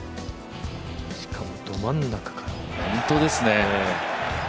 しかもど真ん中から。